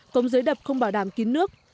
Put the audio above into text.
công dưới đập không bảo đảm kín nước